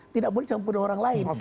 tidak boleh campur dengan orang lain